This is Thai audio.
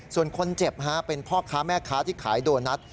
ส่วนคนเจ็บเป็นพ่อค้าแม่ค้าที่ขายโดนัท